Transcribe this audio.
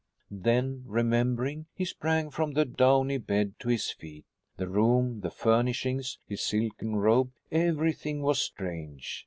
Then, remembering, he sprang from the downy bed to his feet. The room, the furnishings, his silken robe, everything was strange.